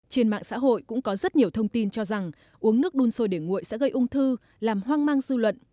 trên mạng xã hội cũng có rất nhiều thông tin cho rằng uống nước đun sôi để nguội sẽ gây ung thư làm hoang mang dư luận